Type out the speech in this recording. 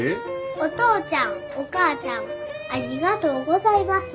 お父ちゃんお母ちゃんありがとうございます。